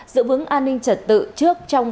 dự vững an ninh trật tự trước trong